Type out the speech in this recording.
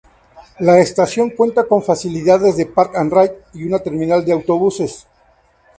La estación cuenta con facilidades de "Park and Ride" y una terminal de autobuses.